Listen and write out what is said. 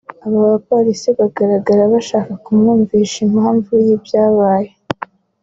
Abapolisi bagaragara bashaka kumwumvisha impamvu y’ibyabaye